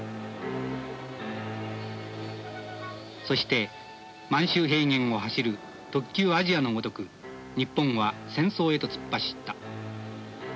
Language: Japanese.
そして満州平原を走る特急あじあのごとく日本は戦争へと突っ走った。